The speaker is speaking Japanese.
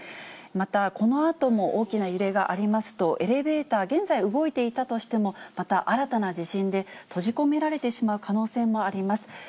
また、このあとも大きな揺れがありますと、エレベーター、現在、動いていたとしても、また新たな地震で閉じ込められてしまう可能性もあります。